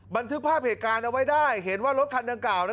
บันทึกภาพเหตุการณ์เอาไว้ได้เห็นว่ารถคันดังกล่าวนั้น